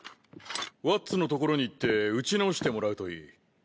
ワッツのところに行って打ち直してもらうといい。